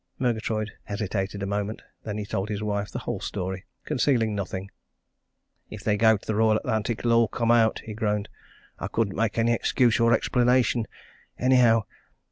Murgatroyd hesitated a moment. Then he told his wife the whole story concealing nothing. "If they go to the Royal Atlantic, it'll all come out," he groaned. "I couldn't make any excuse or explanation anyhow!